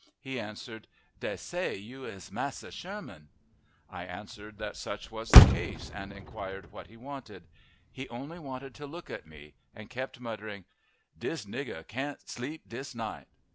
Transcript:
He answered, "Dey say you is Massa Sherman." I answered that such was the case, and inquired what he wanted. He only wanted to look at me, and kept muttering, "Dis nigger can't sleep dis night."